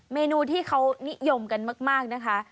เมนูที่เขานิยมกันมากนะคะ